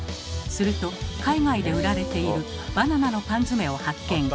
すると海外で売られているバナナの缶詰を発見。